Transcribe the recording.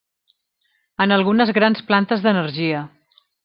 En algunes grans plantes d'energia.